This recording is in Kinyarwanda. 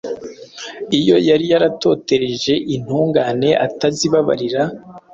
iyo yari yaratotereje intungane atazibabarira,